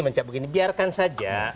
mencap begini biarkan saja